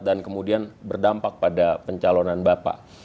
dan kemudian berdampak pada pencalonan bapak